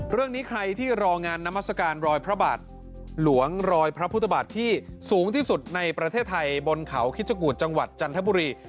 เรื่องนี้ใครที่รองานนามัศกาลรอยพระบาทหลวงรอยพระพุทธบาทที่สูงที่สุดในประเทศไทยบนเขาคิชกูธจังหวัดจันทบุรี